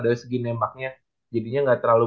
dari segi nembaknya jadinya nggak terlalu